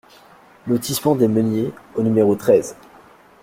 Lotissement des Meuniers au numéro treize